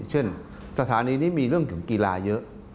เช่นสถานีนี้มีเรื่องของกีฬาเยอะ